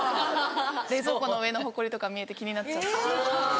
冷蔵庫の上のほこりとか見えて気になっちゃう。